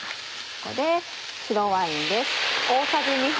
ここで白ワインです。